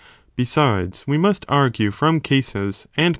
ἘΞ Besides, (we must argue) from cases, and con